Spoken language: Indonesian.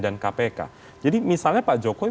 dan kpk jadi misalnya pak jokowi